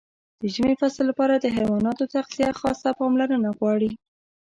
د ژمي فصل لپاره د حیواناتو تغذیه خاصه پاملرنه غواړي.